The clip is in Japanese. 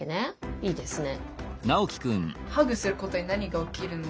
いいですね。